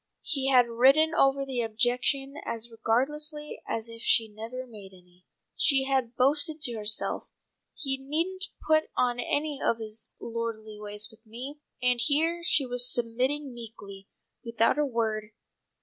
He had ridden over her objection as regardlessly as if she had never made any. She had boasted to herself, "He needn't put on any of his lordly ways with me!" and here she was submitting meekly, without a word.